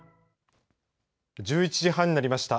１１時半になりました。